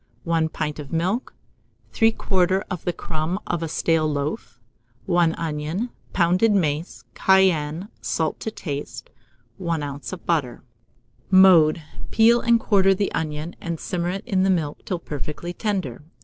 1 pint of milk, 3/4 of the crumb of a stale loaf, 1 onion; pounded mace, cayenne, and salt to taste; 1 oz. of butter. Mode. Peel and quarter the onion, and simmer it in the milk till perfectly tender.